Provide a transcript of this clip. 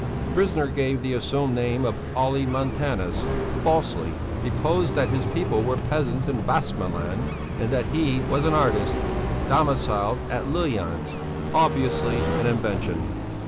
Prisoner gave the assumed name of Olle Montanus, falsely deposed that his people were peasants in Västmanland and that he was an artist, domiciled at Lill Jans, obviously an invention.